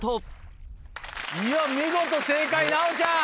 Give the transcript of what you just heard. いや見事正解奈央ちゃん！